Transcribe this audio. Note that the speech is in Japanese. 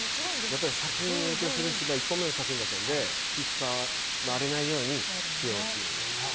やっぱり作品に影響するし１本目の作品だったので気を使われないようにしようって。